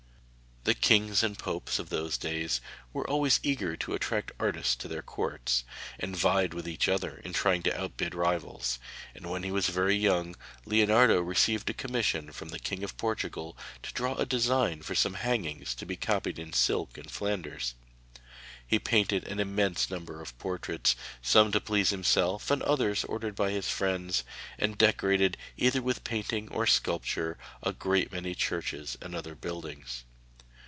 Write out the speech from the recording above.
The kings and popes of those days were always eager to attract artists to their courts, and vied with each other in trying to outbid rivals, and when he was very young Leonardo received a commission from the King of Portugal to draw a design for some hangings to be copied in silk in Flanders. He painted an immense number of portraits, some to please himself and others ordered by his friends, and decorated, either with painting or sculpture, a great many churches and other buildings.